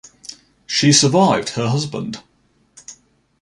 She survived her husband.